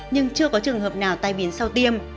nhưng chưa có trường hợp nào tai biến sau tiêm